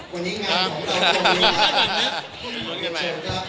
รุ้นกันไปครับ